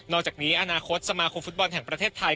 อกจากนี้อนาคตสมาคมฟุตบอลแห่งประเทศไทย